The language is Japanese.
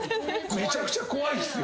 めちゃくちゃ怖いっすよ。